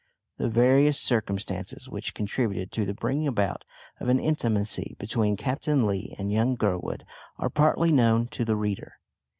The various circumstances which contributed to the bringing about of an intimacy between Captain Lee and young Gurwood are partly known to the reader.